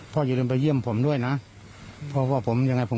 พ่ออยู่เรือนไปเยี่ยมผมด้วยนะ